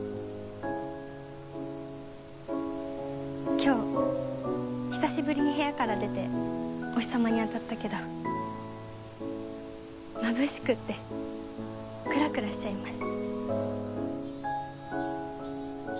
今日久しぶりに部屋から出てお日さまに当たったけどまぶしくってクラクラしちゃいます。